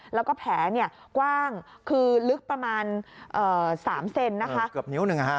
แล้วก็แผลเนี่ยกว้างคือลึกประมาณ๓เซนนะคะเกือบนิ้วหนึ่ง